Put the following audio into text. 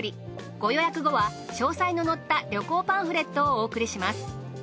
ご予約後は詳細の載った旅行パンフレットをお送りします。